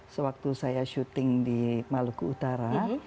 sewaktu saya syuting di maluku utara